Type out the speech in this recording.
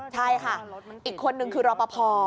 ใช่ค่ะอีกคนนึงคือรอปภ